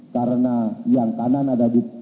karena yang kanan ada di